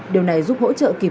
điều này giúp hỗ trợ kịp